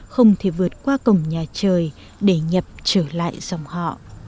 không thể vượt qua cổng nhà trời để nhập trở lại dòng họ